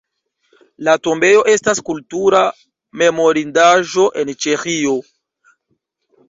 La tombejo estas Kultura memorindaĵo en Ĉeĥio.